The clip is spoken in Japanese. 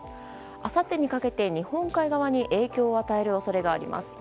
あさってにかけて日本海側に影響を与える恐れがあります。